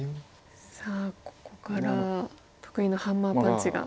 さあここから得意なハンマーパンチが。